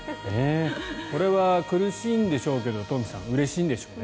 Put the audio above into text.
これは苦しいんでしょうけど東輝さんうれしいんでしょうね。